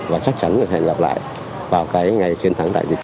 và chắc chắn sẽ gặp lại vào cái ngày chiến thắng đại dịch